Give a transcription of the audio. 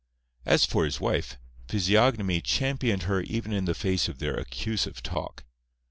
As for his wife, physiognomy championed her even in the face of their accusive talk.